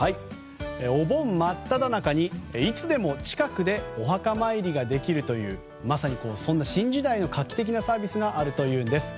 お盆真っただ中にいつでも近くでお墓参りができるというまさにそんな新時代の画期的なサービスがあるというんです。